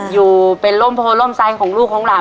อยู่เป็นร่มโพร่มไซดของลูกของหลาน